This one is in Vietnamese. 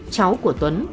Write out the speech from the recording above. cháu của tuấn